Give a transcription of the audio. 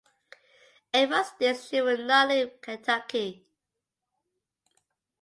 Ava states she will not leave Kentucky.